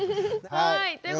はい。